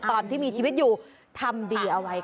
ตอนที่มีชีวิตอยู่ทำดีเอาไว้ค่ะ